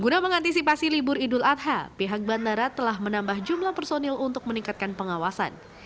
guna mengantisipasi libur idul adha pihak bandara telah menambah jumlah personil untuk meningkatkan pengawasan